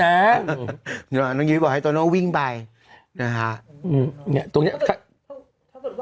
เนี่ยว่าน้องยิบบอกให้ตอนโน่วิ่งไปกนะครับ